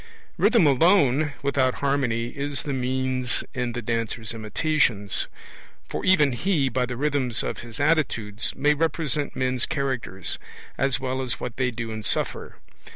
Rhythm alone, without harmony, is the means in the dancer's imitations; for even he, by the rhythms of his attitudes, may represent men's characters, as well as what they do and suffer.